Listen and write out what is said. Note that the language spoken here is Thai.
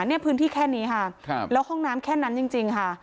เนี่ยพื้นที่แค่นี้ค่ะแล้วห้องน้ำแค่นั้นจริงค่ะ